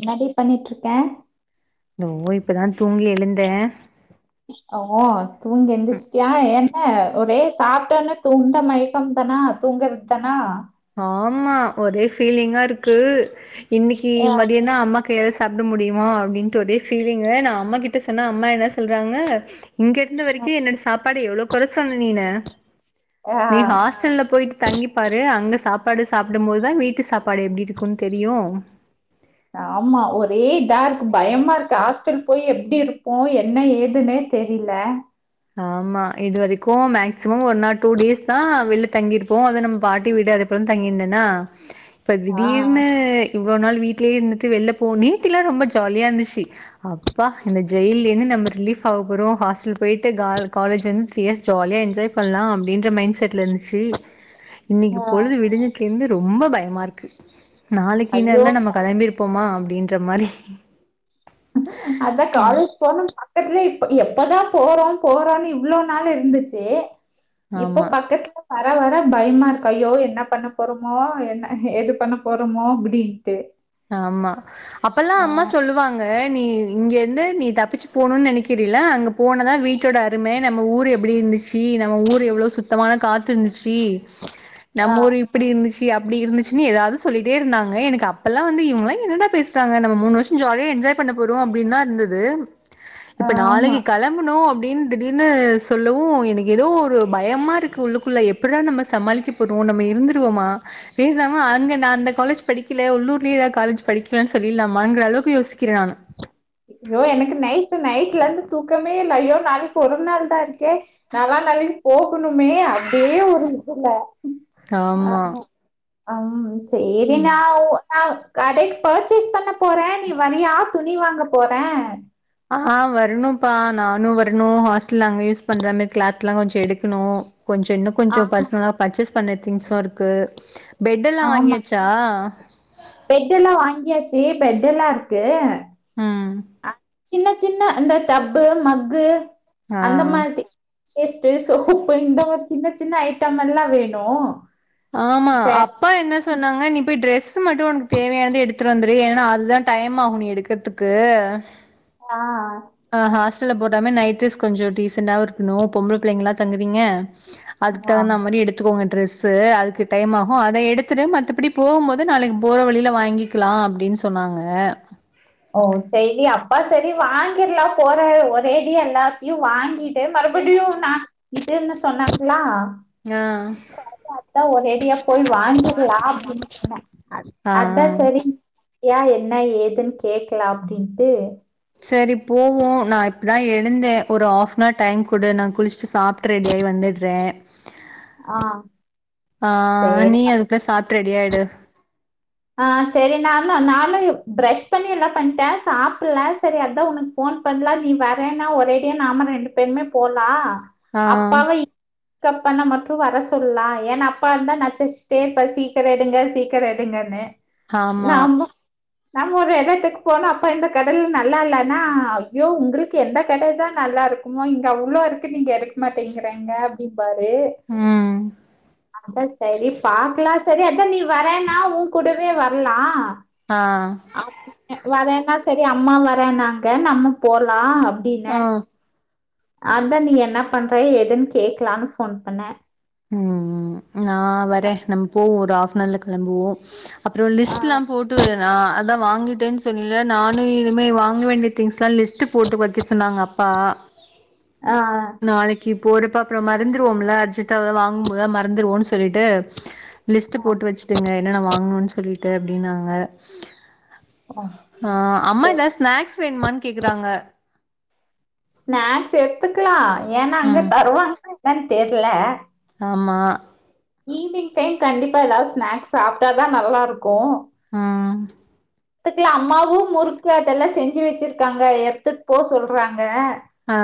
என்னடி பண்ணிட்டு இருக்கே தோ இப்பதா தூங்கி எழுந்தே ஓ தூங்கி எந்திருஷ்டியா ஏன் என்ன ஒரே சாப்பிட்ட ஒடனே தூண்ட மயக்கம் தானா தூங்குறது தானா ஆமா ஒரே ஃபீலிங்கா இருக்கு இன்னிக்கி ஆ, மதியந்தா அம்மா கைல சாப்ட்ட முடியுமா அப்டின்னுட்டு ஒரே ஃபீலிங்கு நா அம்மா கிட்ட சொன்னா அம்மா என்ன சொல்றாங்க இங்க இருந்த வரைக்கு என்னோட சாப்பாடு எவ்ளோ கொற சொன்ன நீன்னு ஆ, ஹாஸ்டல்ல போயிட்டு தங்கிப்பாரு அங்க சாப்பாடு சாப்பிடும்போதுதா வீட்டு சாப்பாடு எப்டி இருக்குன்னு தெரியு ஆமா ஒரே இதா இருக்கு பயமா இருக்கு ஹாஸ்டல் போய் எப்டி இருப்போ என்ன ஏதுன்னே தெரில்ல ஆமா இது வரைக்கு மேக்சிமம் ஒரு நாள் டூ டேஸ் தா வெளில தங்கியிருப்போ அது நம்ம பாட்டி வீடா தங்கியிருந்தேனா இப்ப ஆ, திடீர்னு இவ்ளோ நாள் வீட்லியே இருந்துட்டு வெளில போ நேத்திலா ரொம்ப ஜாலிய இருந்துச்சு அப்பா இந்த ஜெயில்ல இருந்து நம்ம ரிலீஃப் ஆக போறோ ஹாஸ்டல் போயி ட்டு கால் காலேஜ்ல இருந்து த்ரீ இயர்ஸ் ஜாலியா என்ஜாய் பண்ணலா அப்டின்ற மைண்ட் செட்ல இருந்துச்சு இன்னிக்கு ஆ, பொழுது விடிஞ்சதுல இருந்து ரொம்ப பயமா இருக்கு நாளிக்கு இன்னேரோ ஐயோ எல்லா நம்ம கிளம்பிருப்போமா அப்டின்ற மாரி அதா காலேஜ் போனோ [unintelligible] எப்பதா போறா போறான்னு இவ்ளோ நாளு இருந்துச்சு இப்ப ஆமா பக்கத் வர வர பயமா இருக்கு ஐய்யோ என்ன பண்ண போறோமோ என்ன என்ன ஏது பண்ண போறோமோ அப்டின்ட்டு ஆமா அப்பல்லா அம்மா சொல்லுவாங்க நீ இங்கேருந்து நீ தப்பிச்சு போணோன்னு நினைக்கிறில அங்க போனதா வீட்டோட அரும நம்ம ஊரு எப்டி இருந்துச்சு [unintelligible] நம்ம ஊர் எவ்ளோ சுத்தமான காத்து இருந்துச்சி ஆ, நம்ம ஊர் இப்டி இருந்துச்சு அப்டி இருந்துச்சுன்னு எதாது சொல்லிட்டே இருந்தாங்க எனக்கு அப் அப்பல்லா வந்து இவங்களா என்னடா பேசுறாங்க நம்ம மூணு வருஷ ஜாலியா என்ஜாய் பண்ண போறோ அப்டின்தா இருந்தது இப்ப ஆமா நாளைக்கி கெளம் பனுஅப்டின்னு திடீர்னு சொல்லவோ எனக்கு ஏதோ ஒரு பயமா இருக்கு உள்ளுக்குள்ள எப்டிதா நம்ம சமாளிக்க நம்ம இருந்துருவோமா பேசாம அங்க நா அந்த காலேஜ் படிக்கல உள்ளூர் லயே எதாது காலேஜ் படிக்கலான்னு சொல்லிறலாமாங்கிற அளவுக்கு யோசிக்கிறே நானு ஐய்யோ எனக்கு நைட் நைட்ல இருந்து தூக்கமே இல்ல ஐய்யோ நாளிக்கி ஒரு நாள் தா இருக்கே நால்லா நைட்டு போகணுமே அப்டியே ஒரு இதுல ஆமா ஆ சேரி நா ஒரு நா கடைக் பர்ச்சேஸ் பண்ண போறே நீ வரியா துணி வாங்க போறே ஆ வரணும்ப்பா நானு வரணு ஹாஸ்டல்ல அங்க யூஸ் பண்ற மாரி கிளாத்லா கொஞ்சோ எடுக்கணு கொஞ்சோ இன்னு ஆ கொஞ்சோ பர்சனலா பர்ச்சேஸ் பண்ண திங்ஸ்சு இருக்கு பெட் எல்லா ஆமா வாங்கியாச்சா பெட் எல்லா வாங்கியாச்சு பெட் எல்லா இருக்கு ம் சின்ன சின்ன அந்த டப்பு மக்கு அந்த ஆ மாரி பேஸ்ட்டு சோப்பு இந்த மாரி சின்ன சின்ன ஐட்டம் எல்லா வேணு ஆமா அப் சேரி ப்பா என்ன சொன்னாங்க நீ போய் ட்ரெஸ்ஸு மட்டு ஒனக்கு தேவையானது எடுத்துட்டு வந்துரு ஏனா அது தா டைம் ஆகு நீ எடுக்கற்த்துக் கு ஆ அ ஹாஸ்டல்ல போட்ற மார் நைட் டிரெஸ் கொஞ்ச டீசெண்டாவு இருக்கணு பொம்பள பிள்ளைங்கலா தங்குதீங்க அதுக்கு ஆ தகுந்த மாரி எடுத்துக்கோங்கன் டிரெஸ்ஸு அதுக்கு டைம் ஆகு அத எடுத்துரு மத்தபடி போகும் போது நாளைக்கு போற வழில வாங்கி க்லா அப்டின் சொன்னாங்க ஓ செய்ரி அப்பா செரி வாங்கிற்லா போற ஒரேடியா எல்லாத்தையு வாங்கிட் ஏ மறுபடியு நா இதுன்னு சொன்னாங்களா ஆ சேரி அத்தா ஒரேடியா போய் வாங்கிர்லா அப்டின் சொன்ன ஆ ஆ அத்தா சேரின் ஏ என்ன ஏதுன் கேக்கலா அப்டின்ட்டு சேரி போவோ நா இப்பதா எழுந்தே ஒரு ஹாஃப்னார் டைம் குடு நா குளிச்ட்டு சாப்ட்டு ரெடியாகி வந்துட்றே ஆ ஆ சரி நீ அதுக்குள்ள சாப்ட்டு ரெடியாயிடு ஆ சேரி நாந்தா நானு ப்ரஷ் பண்ணி எல்லா பண்டே சாப்பிட்ல சேரி அத்தா உனக் ஃபோன் பண்லா நீ வரேன்னா ஒரேடியா நாம ரெண்டு பேருமே போலா ஆ அப்பாவ இ க்கப் பண்ண மட்டு வர சொல்லலா ஏனா அப்பா இருந்தா நச்சர்ச்சுட்டே இருப்பாரு சீக்கர எடுங்க சீக்கர எடுங்கன்னு ஆமா நாம்ப நம்ம ஒரு எடத்துக்கு போனா அப்பா இந்த கடைல நல்லா இல்லனா ஐயோ உங்களுக்கு எந்த கடைதா நல்லாருக் குமா இங்க அவ்ளோ இருக்கு நீங்க எடுக்க மாட்டேங்குறேங்க நிப்பாரு ம் அதா செரி பாக்கலான் செரி அதா நீ வரன்னா ஊங்கூடவே வர்லா ஆ நா கூப்ட்டே வரேன்னா செரி அம்மா வரேனாங்க நம்ம போலா ஆ அப்டின்னே அதா நீ என்ன பண்ற எதுன் கேக்கலானு ஃபோன் பண்ணே ம் நா வரே நம்ம போவோ ஒரு ஆஃப்ஃபனார்ல கெளம்புவோ அப்றோ ஆ லிஸ்ட்டுலா போட்டு வேற நா அதா வாங்கிட்டேன் ஸ் தொன்னேல நானு இனிமே வாங்க வேண்டிய திங்ஸ்லா லிஸ்ட்டு போட்டு வக்கெ சொன்னாங்க அப்பா ஆ ஆ நாளைக்கி போறப்ப அப்றோ மறந்துருவோமுல அர்ஜென்ட்டா எதா வாங்கும்போதா மறந்துருவோனு சொல்லிட்டு லிஸ்ட்டு ஆ போட்டு வச்சிட்டுடங்க என்னென்ன வாங்கணுன் சொல்லிட்டு அப்டினாங்க ஓ ஆ அம்மா சேரி எதா ஸ்நேக்ஸ் வேணுமான் கேக்குறாங்க ஸ்நேக்ஸ் எட்த்துக்கலா ஏனா அங்க ம் தருவாங்க என்னன் தெர்ல ஆமா ஈவ்னிங் டைம் கண்டிப்பா எதாவ்து ஸ்நேக்ஸ் சாப்ட்டாதா நல்லாருக்கு ஆம் த்துக்கலா அம்மாவு முறுக் கேட்டெல்லா செஞ்சி வெச்சிருக்காங்க எட்த்துட்டு போ சொல்றாங்க ஆ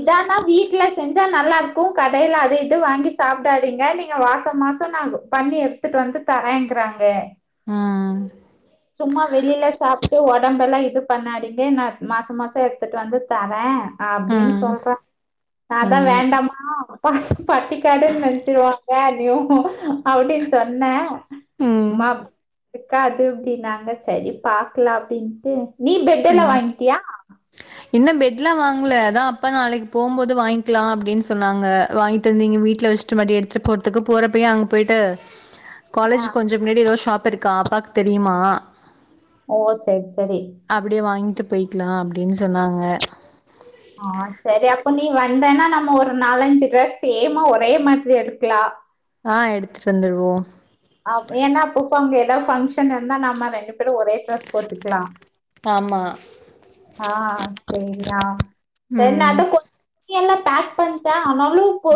இதானா வீட்ல செஞ்சா நல்லாருக்கு கடைல அது இது வாங்கி சாப்டாதீங்க நீங்க வாச மாச நாகு பண்ணி எட்த்துட்டு வந்து தரேங்குறாங்க ம் சும்மா வெளில சாப்ட் டு ஒஞம்பெல்லா இது பண்ணாதிங்க நா மாச மாச எட்த்துட்டு வந்து தரே ஆ அப்டின் சொல்றா நா அதா ம் வேண்டாமா பட்டிக்காடுன் நெனச்சிருவாங்க என்னயூ அப்டீன் சொன்னே ம் மாம் இருக்காது அப்டீன்னாங்க செரி பாக்கலா அப்டீன்ட்டு நீ பெட்டெல்லா வாங்கிட்டியா இன்னு பெட்லா வாங்கல அதா அப்பா நாளைக்கி போம்போது வாய்ங்க்கலா அப்டீன்னு சொன்னாங்க வாங்கிட்டு வந்து இங்க வீட்ல வெச்சு டுவண்டிய எடுத்துட்டு போறதுக்கு போறப்பயே அங்க போயிட்டு யா காலேஜுக்கு கொஞ்சோ முன்னாடி எதோ ஷாப்புருக்கா அப்பாக்கு தெரியுமா ஓ செர் செரி அப்டியே வாங்கிட்டு போய்க்லா அப்டீன்னு சொன்னாங்க ஆ செரி அப்ப நீ வந்தன்னா நம்ம ஒரு நாலஞ்சு ட்ரெஸ் சேமா ஒரே மாதிரி எடுக்கலா ஆ எடுத்துட் வந்துருவோ ஆம் ஏனா அப்பப்போ அங்க ஏதாவ் ஃபங்க்ஷன் நடந்தா நம்ம ரெண்டு பேரு ஒரே ட்ரெஸ் போட்டுக்கலா ஆமா ஆ சேரிதா செரி நா ம் அது கு துணியெல்லா பேக் பண்ட்டா ஆனாலு போ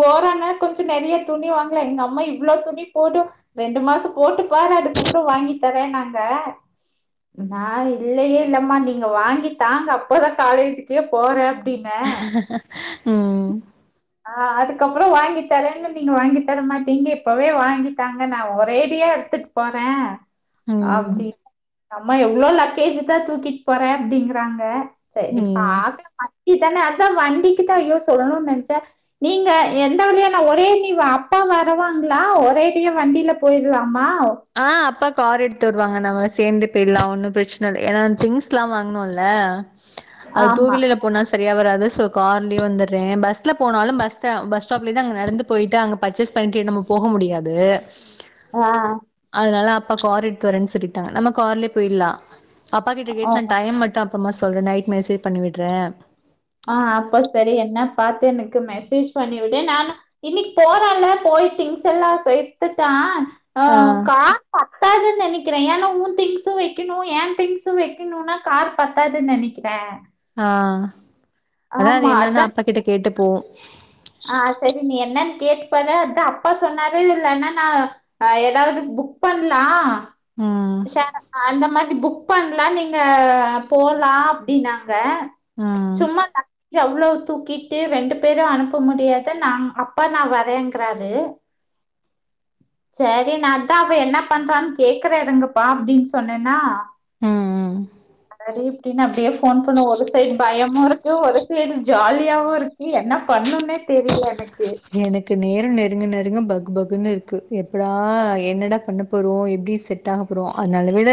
போறோனா கொஞ்சோ நெறையா துணி வாங்கலா எங்க அம்மா இவ்ளோ துணி போடு ரெண்டு மாசோ போட்டுப்பாரு அதுக்கப்றோ வாங்கித்தரேன்னாங்க நா இல்லையே இல்லம்மா நீங்க வாங்கி தாங்க அப்பதா காலேஜுக் கே போறே அப்டீன்னே ம் ஆ அதுக்கப்பறோ வாங்கி தரேன்னு நீங்க வாங்கி தரமாட்டீங்க இப்பவே வாங்கித்தாங்க நா ஒரேடியா எடுத்துட் போறே ம் அப்டீன் எங்கம்மா எவ்ளோ லக்கேஜுதா தூக்கிட் போறே அப்டீங்குறாங்க செரி ம் பாக்கலா வண்டி தானே அதா வண்டிக்கு தா ஐயோ சொல்ணோன் நெனச்சே நீங்க எந்த வழியானா ஒரே நீ அப்பா வருவாங்களா ஒரேடியா வண்டியில போயிருலாம்மா ஆ அப்பா கார் எடுத்து வருவாங்க நாம சேந்தே போய்ர்லா ஒன்னு பிரச்சன இல்ல ஏன்னா திங்ஸ்லா வாங்கணோல அது டூ ஆமா. வீலர்ல போனா செரியா வராது சோ கார்லயே வந்துர்ரே பஸ்ல போனாலு பஸ்ஸ பஸ் ஸ்டாப்லர்ந்து நடந்து போயிட்டு அங்க பர்ச்சேஸ் தன்கே நம்மோ போக முடியாது ஆ அதனால அப்பா கார் எடுத்து வரேன்னு சொல்லிட்டாங்க நம்ம கார்லய போயிட்லா அப்பா கிட்ட ஆ கேட்டு நா டைம் மட்டு அப்பறமா சொல்றே நைட் மெசேஜ் பண்ணிவிட்றே ஆ அப்ப செரி என்ன பாத்து எனக்கு மெசேஜ் பண்ணி விடு நானு இன்னிக்கு போறால்ல போயி திங்ஸ் எல்லா சேத்துட்டா அ ஆ. கா ரு பத்தாதுனு நெனைக்கிறே ஏன்னா உ திங்ஸு வெக்கணோ ஏ திங்ஸு வெக்கணோனா கார் பத்தாதுனு நெனைக் கிறே ஆ அதா அது என்னன்னா அதான் அப்பா கிட்ட கேட்டுப்போ ஆ செரி நீ என்னன்னு கேட்டு பாரு அ அப்பா சொன்னாரு இல்லன்னா நா அ எதாவது புக் பண்லா ம். ச அந்த மாதிரி புக் பண்லா நீங்க போலா அப்டீன்னாங்க ம். சும்மா அவ்வளோவு தூக்கி ட்டு ரெண்டு பேரு அனுப்ப முடியாது நா அப்பா நா வரேங்கறாரு செரி நா அதா அவ என்ன பண்றான்னு கேக்குற இருங்கப்பா அப்டின்னு சொன்னன்னா ம். ம் சரின் இப்டின்னு அப்டியே ஃபோன் பண்ண ஒரு சைடு பயமா இருக்கு ஒரு சைடு ஜாலியாவு இருக் நீ என்ன பண்ணோனே தெரியுல எனக்கு எனக்கு நேரம் நெருங்க நெருங்க பக் பக்குன்னு இருக்கு எப்படா என்னடா பண்ண போறோம் எப்டி செட் ஆகபோறோ அ நல்லவேள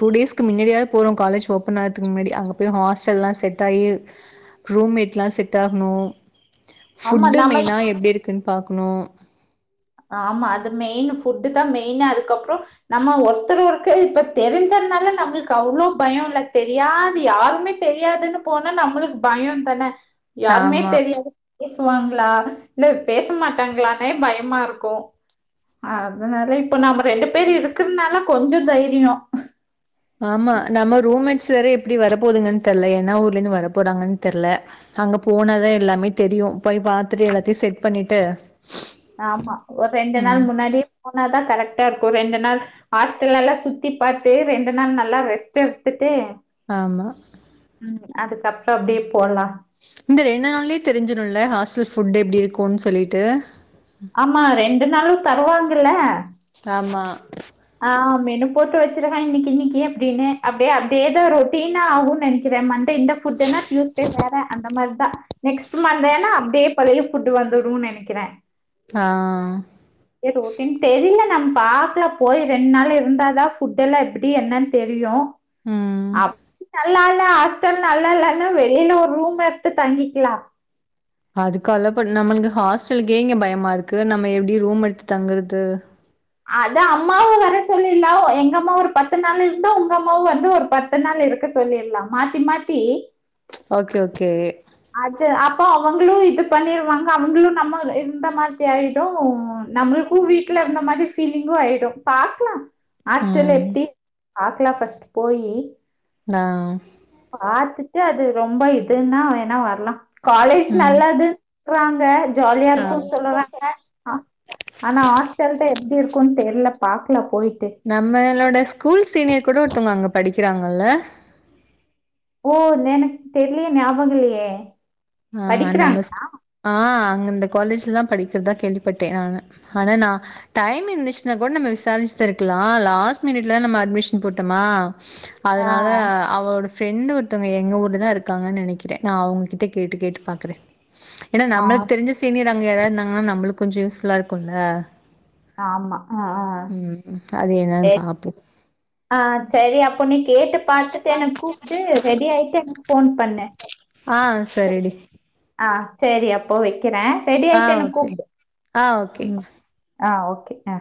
டூ டேஸ்க்கு முன்னாடிய போறோ காலஜ் ஓபன் ஆறதுக்கு முன்னாடி அங்க எப்பயும் ஹாஸ்டல்லாம் செட் ஆகி ரூம்மேட்லாம் செட் ஆகணும் ஆமா ஃபுட்டு நம்ம மெயினா எப்டி இருக்குன்னு பாக்கணும் ஆமா அது மெயின் ஃபுட்டு தான் மெயினு அதுக்கப்பறம் நம்ம ஒருத்தர்க்ஒருத்தர் இப்ப தெரிஞ்சதுனால நம்மளுக்கு அவ்ளோ பயம் இல்ல தெரியாது யாருமே தெரியாதுன்னு போனா நம்மளுக்கு பயம் தான யாருமே ஆமா. தெரியாது பேசுவாங்களா இல்ல பேச மாட்டாங்களானே பயமா இருக் க்கோம் அதனால இப்ப நம்ம ரெண்டு பேர் இருக்குறனால கொஞ்சம் தைரியோ ஆமா நம்ம ரூம்மேட்ஸ் வேற எப்டி வர போதுங்கன்னு தெர்ல என்னா ஊர்ல இருந்து வர போறாங்கன்னு தெர்ல அங்க போனாதான் எல்லாமே தெரியும் போய் பாத்துட்டு எல்லாத்தையும் செட் பண்ணிட்டு ஆமா ஒரு ரெண்டு நாள் ம். முன்னாடி போனாதான் கரெக்ட்டா இருக்கும் ரெண்டு நாள் ஹாஸ்டல்லல்லாம் சுத்தி பார்த்து ரெண்டு நாள் நல்லா ரெஸ்ட் எடுத்துட்டு ஆமா ம் அதுக்கப்பறம் அப்டியே போலாம் இந்த ரெண்டு நாளேயே தெரிஞ்சிடும்ல ஹாஸ்டல் ஃபுட் எப்டி இருக்கும்ன்னு சொல்லிட்டு ஆமா ரெண்டு நாளும் தருவாங்கல ஆமா ஆ மெனு போட்டு வச்சிருக்கான் இன்னிக்கு இன்னிக்கு அப்டின்னு அப்டியே அப்டியே ஏதோ ரொட்டீனா ஆகும்ன்னு நெனைக்கிறேன் மன்டே இந்த புட் டியூஸ்டே வேற அந்த மாரி தான் நெக்ஸ்ட் மண்டேனா அப்டியே பழைய புட் வந்துடும்னு நினைக்கிறேன் ஆ ஆ ஆ ரொட்டீன் தெரில நம்ம பாக்கல போய் ரெண்டு நாள் இருந்தாதான் ஃபுட் எல்லாம் எப்டி என்னன்னு தெரியும் ம் அப் நல்லா இல்ல ஹாஸ் ஹாஸ்டல் நல்லா இல்லன்னா வெளியில ஒரு ரூம் எடுத்து தங்கிக்கலாம் அதுக்கல்ல நம்மளுக்கு ஹாஸ்டலுக்கே இங்க பயமா இருக்கு நம்ம எப்டி ரூம் எடுத்து தங்குறது அது அம்மாவு வர சொல்லிருலாவு எங்க அம்மா ஒரு பத்து நாள் இருந்தா உங்க அம்மாவு வந்து ஒரு பத் பத்து நாள் இருக்க சொல்லியற்லா மாத்தி மாத்தி ஓகே ஓகே அது அப்போ அவங்களு இது பண்ணிருவாங்க அவங்களு நம்ம இருந்த மாரி ஆயிடும் நம்ளு கும் வீட்ல இருந்த மாரி ஃபிலிங்கு ஆயிடு பாக்கலா ஹாஸ்டேல்ல ம் எப்டி பாக்கலா ஃபஸ்ட் போயி ஆ ஆ பாத்துட்டு அது ரொம்ப இதுனா வேணா வரலா காலேஜ் ம் நல்லது இருக்குறாங்க ஜாலியா ஆ இருக்குன்னு சொல்லறாங்க ஆ ஆனா ஹாஸ்டல் தா எப்டி இருக்குன்னு தெர்ல பாக்கலா போய்ட்டு நம்மளோட ஸ்கூல் சீனியர் கூட ஒருத்தவங்க அங்க படிக்கிறாங்கல்ல ஓ எனக்கு தெரிலயே ஞாபக இல்லையே ஆ ஆ நம்ம ஸ் ஆ அங்க இந்த காலேஜ்ல தா படிக்கிறதா கேள்விப்பட்ட நானு ஆனா நா டைம் இருந்துச்சுனா கூட நம்ம விசாரிச்சுதிருக்கலா லாஸ்ட் மினிட்ல நம்ம அட்மிஷன் போட்டோமா ஆ அதனால அவளோட ஃப்ரெண்ட் ஒருத்தவங்க எங்க ஊர்ல தா இருக்குறாங்கன்னு நினைக்கிறே நா அவங்ககிட் கேட்டு கேட்டு பாக்குறே ஏனா ஆ நம்மளுக்கு தெரிஞ் சினீயர் அங்க யாராது இருந்தாங்கனா நம்மளுக்கு கொஞ்சோ யூஸ் ஃபுல்லா இருக்குல்ல ஆமா ஆ ஆ ம் ம் அது ஏ என்னானு பாப்போ ஆ செரி அப்போ நீ கேட்டு பாத்துட்டு என்ன கூப்டு ரெடி ஆயிட்டு எனக்கு ஃபோன் பண்ணு அ சரி டி அ சரி அப்போ வக்கிறே ரெடி ஆ ஆய்ட்டு என்ன ஓகே கூப்டு ஆ ஓகே ம் அ ஓக்கே அ